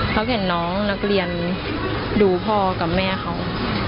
เขาเห็นน้องนักเรียนดูพ่อกับแม่เขา